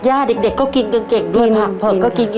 อยากกินแฮมเบอร์เกอร์ค่ะ